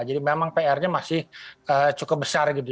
jadi memang pr nya masih cukup besar